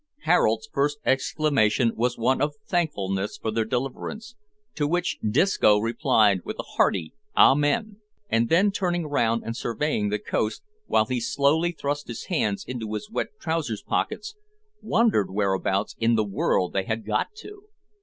Harold's first exclamation was one of thankfulness for their deliverance, to which Disco replied with a hearty "Amen!" and then turning round and surveying the coast, while he slowly thrust his hands into his wet trouser pockets, wondered whereabouts in the world they had got to.